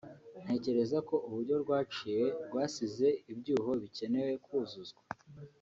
ntekereza ko uburyo rwaciwe rwasize ibyuho bikeneye kuzuzwa